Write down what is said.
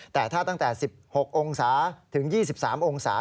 แต่ถ้าตั้งแต่๑๖๒๓องศา